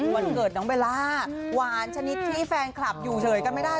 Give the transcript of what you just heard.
วันเกิดน้องเบลล่าหวานชนิดที่แฟนคลับอยู่เฉยกันไม่ได้